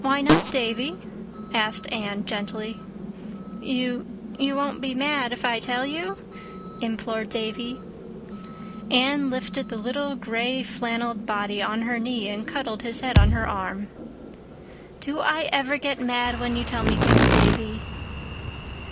"Why not, Davy?" asked Anne gently. "You—you won't be mad if I tell you?" implored Davy. Anne lifted the little gray flannelled body on her knee and cuddled his head on her arm. "Do I ever get 'mad' when you tell me things, Davy?"